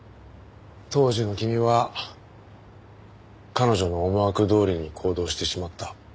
当時の君は彼女の思惑どおりに行動してしまった。